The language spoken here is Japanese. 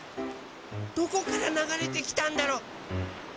どこからながれてきたんだろう？